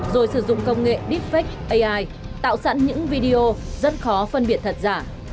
rồi sử dụng công nghệ deepfake ai tạo sẵn những video rất khó phân biệt thật giả